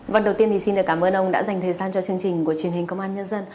vâng đầu tiên thì xin cảm ơn ông đã dành thời gian cho chương trình của truyền hình công an nhân dân